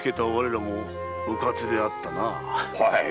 はい。